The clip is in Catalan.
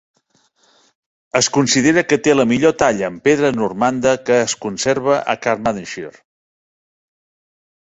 Es considera que té la millor talla en pedra normanda que es conserva a Carmarthenshire.